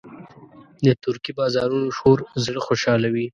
د ترکي بازارونو شور زړه خوشحالوي.